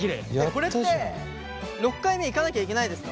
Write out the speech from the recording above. これって６回目いかなきゃいけないですか？